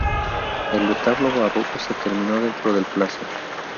El retablo barroco se terminó dentro del plazo.